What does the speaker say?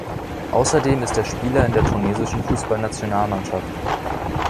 Außerdem ist er Spieler in der tunesischen Fußballnationalmannschaft.